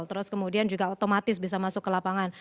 terus kemudian juga otomatis bisa masuk ke lapangan